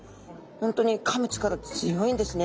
ホントにかむ力強いんですね。